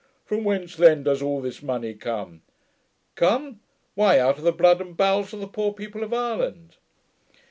'From whence, then, does all this money come?' 'Come! why out of the blood and bowels of the poor people of Ireland!'